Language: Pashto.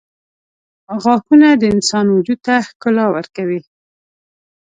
• غاښونه د انسان وجود ته ښکلا ورکوي.